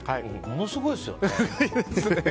ものすごいですね。